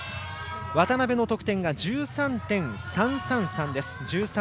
渡部の得点が１３．３３３。